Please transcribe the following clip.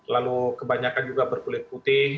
lalu kebanyakan juga berkulit putih